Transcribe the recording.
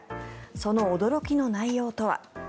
その驚きの内容とは。